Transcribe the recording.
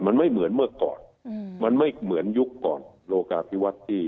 มันไม่เหมือนเมื่อก่อนมันไม่เหมือนยุคก่อนโลกาพิวัฒน์ที่